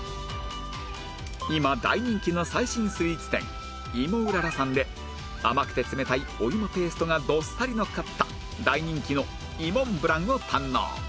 今大人気の最新スイーツ店芋うららさんで甘くて冷たいお芋ペーストがどっさりのっかった大人気のいもんぶらんを堪能